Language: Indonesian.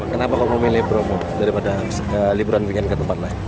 kenapa kamu memilih bromo daripada liburan bikin ke tempat lain